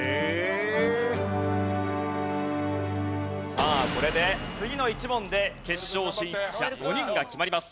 さあこれで次の１問で決勝進出者５人が決まります。